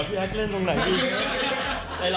พี่แฮคเล่นตรงไหนอีก